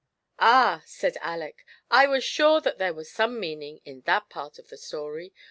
"Ah !" said Aleck, "I was sure that there was some meaning in that part of the story.